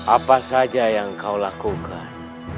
apa saja yang kau lakukan